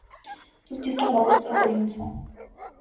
تس جس طرح بائو اسے طرح کری ہنساں